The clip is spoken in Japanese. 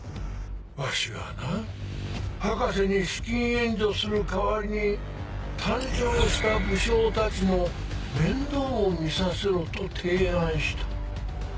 わしはな博士に資金援助する代わりに誕生した武将たちの面倒を見させろと提案した。